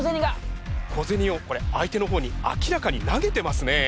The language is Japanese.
小銭をこれ相手の方に明らかに投げてますね。